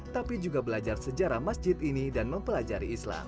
tapi juga belajar sejarah masjid ini dan mempelajari islam